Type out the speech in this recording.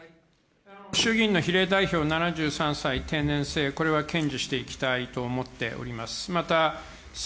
衆議院の比例代表７３歳定年制、これは堅持していきたいと思っております。